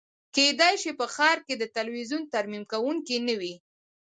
کیدای شي په ښار کې د تلویزیون ترمیم کونکی نه وي